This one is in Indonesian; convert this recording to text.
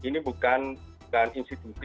ini bukan institusi